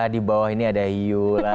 di bawah ini ada hiu lah